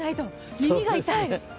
耳が痛い。